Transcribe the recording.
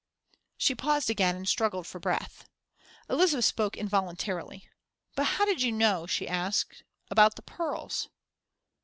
She paused again and struggled for breath. Elizabeth spoke involuntarily. "But how did you know," she asked, "about the pearls?"